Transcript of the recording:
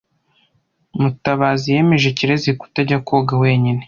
Mutabazi yemeje Kirezi kutajya koga wenyine.